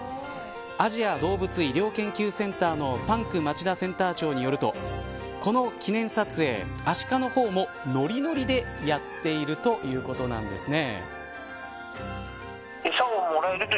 アジア動物医療研究センターのパンク町田センター長によるとこの記念撮影アシカの方もノリノリでやっているということなんですね。